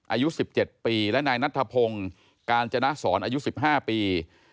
อายุสิบเจ็ดปีและนายนัทธพงศ์การจนสอนอายุสิบห้าปี